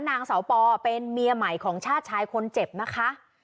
นางสาวปอเป็นเมียใหม่ของชาติชายคนเจ็บนะคะ